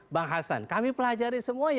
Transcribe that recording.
bang hasan kami pelajari semua